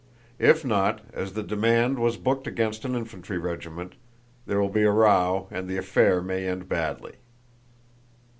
If not, as the demand was booked against an infantry regiment, there will be a row and the affair may end badly."